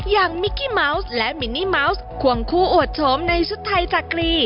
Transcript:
มิกกี้เมาส์และมินนี่เมาส์ควงคู่อวดโฉมในชุดไทยจักรี